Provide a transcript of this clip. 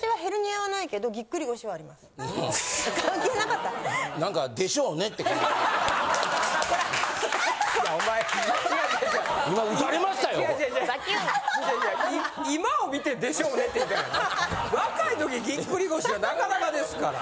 若い時ぎっくり腰はなかなかですから。